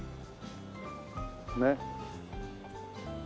ねっ。